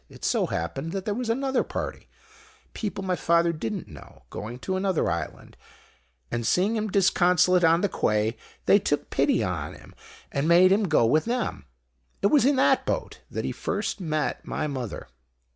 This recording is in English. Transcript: It so happened that there was another party people my father didn't know going to another island, and seeing him disconsolate on the quay they took pity on him and made him go with them. It was in that boat that he first met my mother.